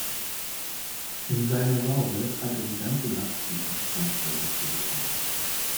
In seiner Sorge hat er die ganze Nacht über kein Auge zugetan.